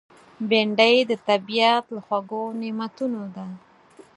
بېنډۍ د طبیعت له خوږو نعمتونو ده